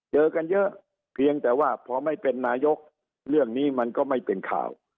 เจอกันเยอะเพียงแต่ว่าพอไม่เป็นนายกเรื่องนี้มันก็ไม่เป็นข่าว